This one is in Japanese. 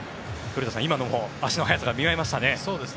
古田さん、今のも足の速さが見られましたね。